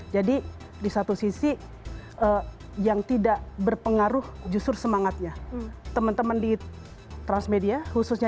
jadi di satu sisi yang tidak berpengaruh justru semangatnya teman teman di transmedia khususnya